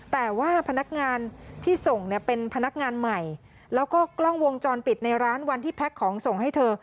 แต่ว่าพนักงานที่ส่งเนี่ยเป็นพนักงานใหม่แล้วก็กล้องวงจรปิดในร้านวันที่แพ็คของส่งให้เธอ